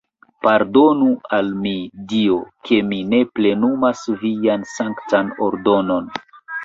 Pardonu al mi, Dio, ke mi ne plenumas vian sanktan ordonon!